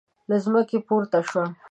له ځمکې پورته شو.